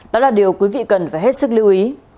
đó là điều quý vị cần phải hết sức lưu ý